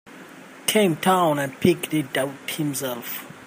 Came down and picked it out himself.